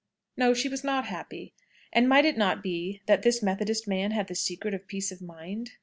No; she was not happy. And might it not be that this Methodist man had the secret of peace of mind?